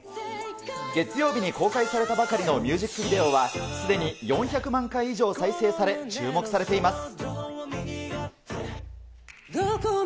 月曜日に公開されたばかりのミュージックビデオは、すでに４００万回以上再生され、注目されています。